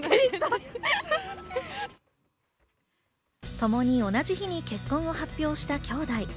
ともに同じ日に結婚を発表した兄弟。